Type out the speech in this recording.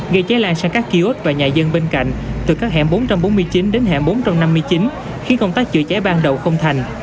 gây cháy lan sang các kiosk và nhà dân bên cạnh từ các hẻm bốn trăm bốn mươi chín đến hẻm bốn trăm năm mươi chín khiến công tác chữa cháy ban đầu không thành